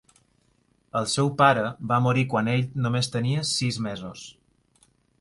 El seu pare va morir quan ell només tenia sis mesos.